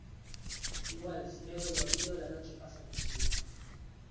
igual, si me hago el dormido , la noche pasa como si nada.